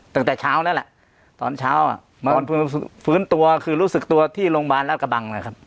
ตั้งแต่เช้านั่นแหละตอนเช้าฝื้นตัวคือรู้สึกตัวที่โรงพยาบาลและกระบังเลยครับ